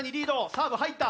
サーブ入った。